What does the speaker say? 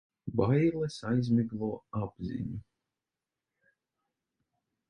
Bailes aizmiglo apziņu.